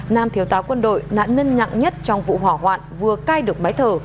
nam thiếu táo quân đội nạn nân nhặng nhất trong vụ hỏa hoạn vừa cai được máy thở